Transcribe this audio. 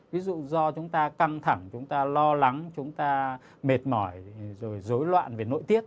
ví dụ do chúng ta căng thẳng chúng ta lo lắng chúng ta mệt mỏi rồi dối loạn về nội tiết